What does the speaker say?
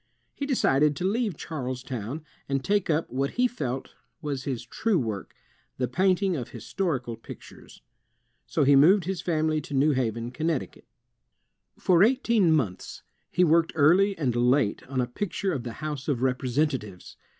He decided to leave Charlestown, and take up what he felt was his true work, the painting of historical pictures. So he moved his family to New Haven, Con necticut. For eighteen months, he worked early and late on a picture of the House of Representatives.